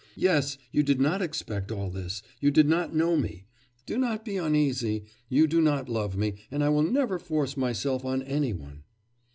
Yes, you did not expect all this you did not know me. Do not be uneasy... you do not love me, and I will never force myself on any one.